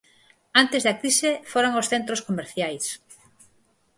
Antes da crise foran os centros comercias.